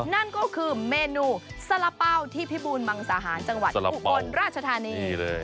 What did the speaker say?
นั่นก็คือเมนูสละเป้าที่พิบูรมังสาหารจังหวัดอุบลราชธานีเลย